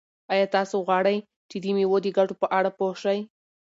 آیا تاسو غواړئ چې د مېوو د ګټو په اړه پوه شئ؟